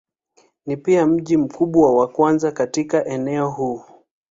Ni pia mji mkubwa wa kwanza katika eneo huu.